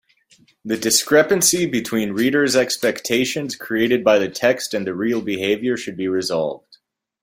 The discrepancy between reader’s expectations created by the text and the real behaviour should be resolved.